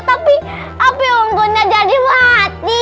tapi api unggunnya jadi mati